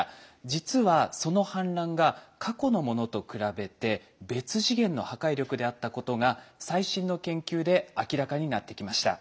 実はその氾濫が過去のものと比べて別次元の破壊力であったことが最新の研究で明らかになってきました。